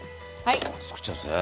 つくっちゃうんですね。